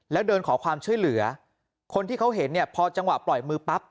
แล้วเดินขอความช่วยเหลือคนที่เขาเห็นเนี่ยพอจังหวะปล่อยมือปั๊บ